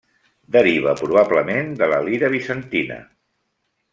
Deriva probablement de la lira bizantina.